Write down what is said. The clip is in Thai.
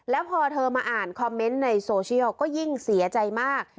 แล้วพอเธอมาอ่านคอมเมนต์ในโซเชียลก็ยิ่งเสียใจมาก